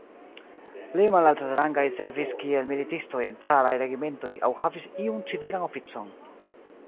Pli malaltrangaj servis kiel militistoj en caraj regimentoj aŭ havis iun civilan oficon.